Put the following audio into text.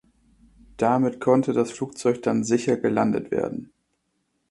Damit konnte das Flugzeug dann sicher gelandet werden.